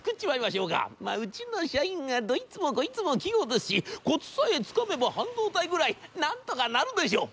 まあうちの社員がどいつもこいつも器用ですしコツさえつかめば半導体ぐらいなんとかなるでしょう』。